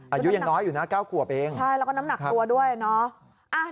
อายุยังน้อยอยู่นะ๙ขวบเองใช่แล้วก็น้ำหนักตัวด้วยเนาะ